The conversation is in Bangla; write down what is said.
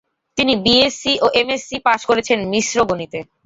তিনি বিএসসি ও এমএসসি পাশ করেছেন মিশ্র গণিতে।